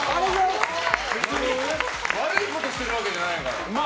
悪いことしてるわけじゃないから。